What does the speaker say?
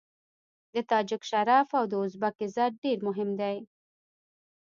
د تاجک شرف او د ازبک عزت ډېر مهم دی.